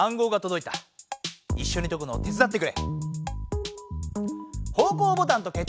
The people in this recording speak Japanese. いっしょに解くのを手つだってくれ。